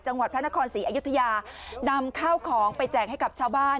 จังหวัดพระนครศรีอยุธยานำข้าวของไปแจกให้กับชาวบ้าน